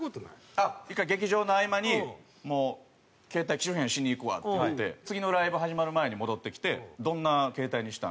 ああ一回劇場の合間に携帯機種変しに行くわって言って次のライブ始まる前に戻ってきてどんな携帯にしたん？